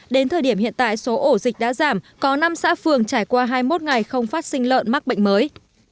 đến thời điểm hiện tại số ổ dịch đã giảm có năm xã phường trải qua hai mươi một ngày không phát sinh lợn mắc bệnh mới